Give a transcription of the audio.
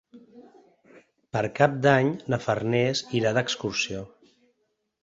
Per Cap d'Any na Farners irà d'excursió.